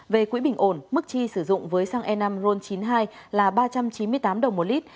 về quỹ bình ổn mức chi sử dụng với xăng e năm ron chín mươi hai là ba trăm chín mươi tám đồng một lít